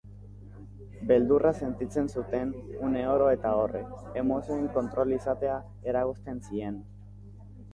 Beldurra sentitzen zuten uneoro eta horrek, emozioen kontrola izatea eragozten zien.